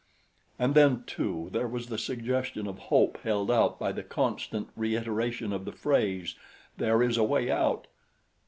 And then, too, there was the suggestion of hope held out by the constant reiteration of the phrase, "There is a way out."